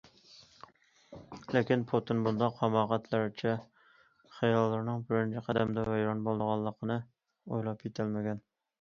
لېكىن پۇتىن بۇنداق ھاماقەتلەرچە خىياللىرىنىڭ بىرىنچى قەدەمدە ۋەيران بولىدىغانلىقىنى ئويلاپ يېتەلمىگەن.